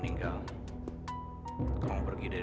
sehingga dia sudah kembali makan usually